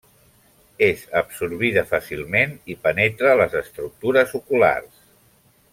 És absorbida fàcilment i penetra les estructures oculars.